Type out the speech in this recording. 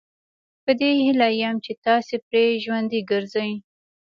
په دې هیله یم چې تاسي پرې ژوندي ګرځئ.